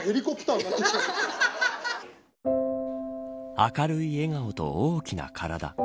明るい笑顔と大きな体。